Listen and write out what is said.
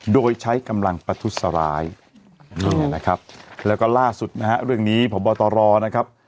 โดยใช้กำลังประทุสรายแล้วก็ล่าสุดนะฮะเรื่องนี้พบตรนะครับ